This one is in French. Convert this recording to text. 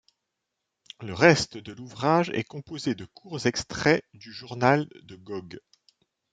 Le reste de l'ouvrage est composé de courts extraits du journal de Gog.